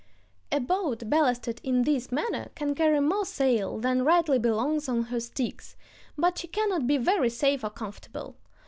A boat ballasted in this manner can carry more sail than rightly belongs on her sticks, but she cannot be very safe or comfortable.